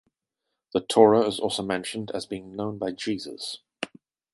The Torah is also mentioned as being known by Jesus.